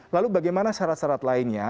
lalu bagaimana syarat syarat lainnya